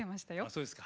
そうですか。